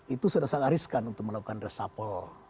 itu sudah sangat riskan untuk melakukan reshuffle